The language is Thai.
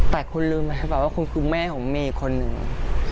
แต่คุณลืมไปหรือเปล่าว่าคุณคือแม่ของเมย์คนหนึ่ง